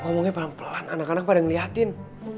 ngomongnya pelan pelan anak anak pada ngeliatin